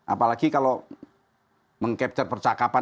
apalagi kalau mengcapture percakapan